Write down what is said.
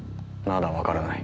まだわからない。